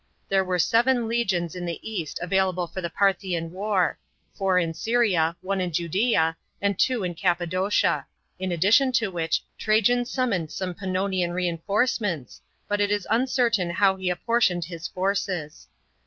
There were seven legions in the east available for the Parthian war — four in Syria, one in Jndea, and two in Cappadocia — in addition to which Trajan summoned some Pannon an reinforcements, but it is uncertain how he apportioned his forces.